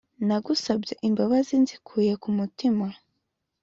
nagusabye imbabazi nzikuye ku mutima